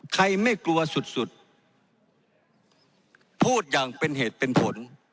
ไม่กลัวสุดสุดพูดอย่างเป็นเหตุเป็นผล